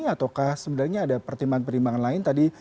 ataukah sebenarnya ada pertimbangan pertimbangan lain tadi